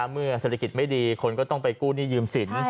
เมื่อเศรษฐกิจไม่ดีคนก็ต้องไปกู้หนี้ยืมสิน